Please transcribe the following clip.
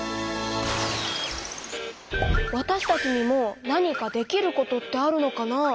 わたしたちにも何かできることってあるのかな？